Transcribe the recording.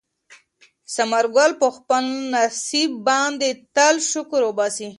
ثمر ګل په خپل نصیب باندې تل شکر وباسي.